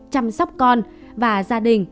chăm sóc con và gia đình